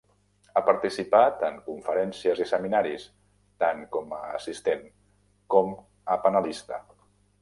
Ha participat en conferències i seminaris, tant com a assistent com a panelista.